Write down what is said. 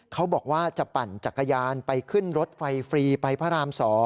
เขาบอกว่าจะปั่นจักรยานไปขึ้นรถไฟฟรีไปพระราม๒